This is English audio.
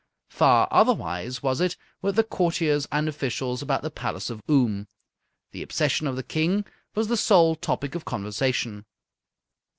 Far otherwise was it with the courtiers and officials about the Palace of Oom. The obsession of the King was the sole topic of conversation.